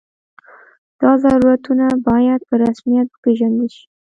دا ضرورتونه باید په رسمیت وپېژندل شي.